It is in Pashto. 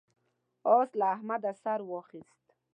اس له احمده سر واخيست.